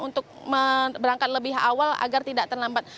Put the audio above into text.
untuk berangkat lebih awal agar tidak terlambat